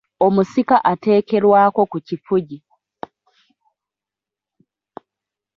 Omusika ateekerwako ku kifugi.